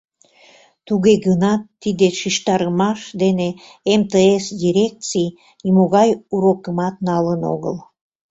Туге гынат тиде шижтарымаш дене МТС дирекций нимогай урокымат налын огыл.